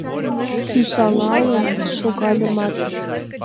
Кӱзалалын шогальымат.